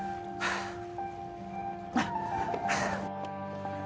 あっ。